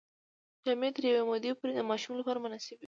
جامې تر یوې مودې پورې د ماشوم لپاره مناسبې وي.